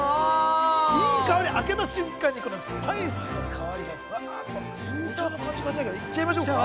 いい香り、開けた瞬間にスパイスの香りが！いっちゃいましょうか。